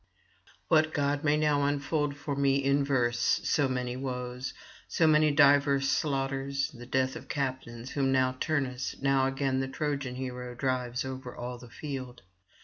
What god may now unfold for me in verse so many woes, so many diverse slaughters and death of captains whom now Turnus, now again the Trojan hero, drives over all the field?